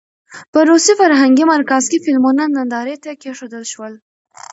په روسي فرهنګي مرکز کې فلمونه نندارې ته کېښودل شول.